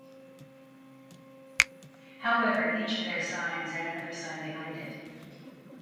However, each of their signs had another sign behind it.